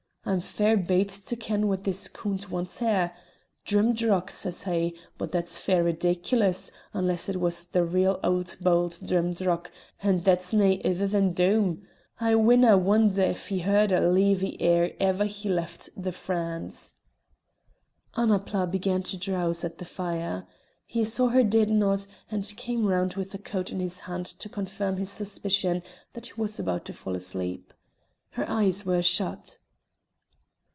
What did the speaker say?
I'm fair bate to ken what this Coont wants here. 'Drimdarroch,' says he, but that's fair rideeculous, unless it was the real auld bauld Drimdarroch, and that's nae ither than Doom. I winna wonder if he heard o' Leevie ere ever he left the France." Annapla began to drowse at the fire. He saw her head nod, and came round with the coat in his hand to confirm his suspicion that she was about to fall asleep. Her eyes were shut.